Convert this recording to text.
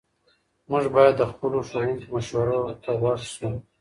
موږ باید د خپلو ښوونکو مشورو ته غوږ سو.